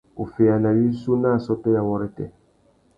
Wuffeyana wissú nà assôtô ya wôrêtê.